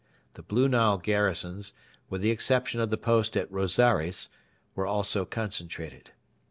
The Blue Nile garrisons, with the exception of the post at Rosaires, were also concentrated.